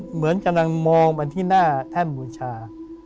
เหมือนกำลังมองไปที่หน้าแท่นบูชา